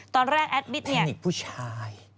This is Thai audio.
ตอนแรกแอดมิตเนี่ยแพนิกผู้ชาย